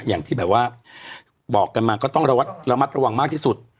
อย่างที่แบบว่าบอกกันมาก็ต้องระมัดระวังมากที่สุด